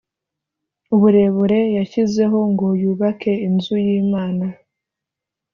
Uburebure yashyizeho ngo yubake inzu y Imana